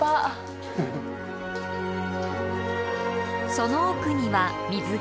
その奥には水が。